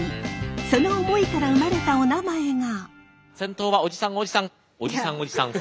その思いから生まれたおなまえが。